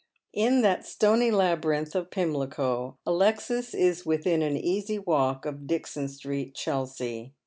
In that stony labyrinth f)f Pimlico Alexis is within an easy walk of Dixon Street, Chelsea.